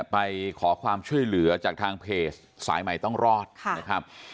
ไปขอความช่วยเหลือจากทางเพจสายใหม่ต้องรอดนะครับ